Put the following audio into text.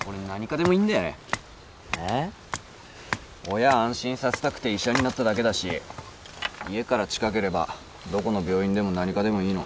親安心させたくて医者になっただけだし家から近ければどこの病院でも何科でもいいの。